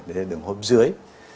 để hệ thống hốp dưới